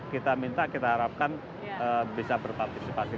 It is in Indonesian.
kita minta kita harapkan bisa berpartisipasi